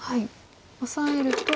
オサえると。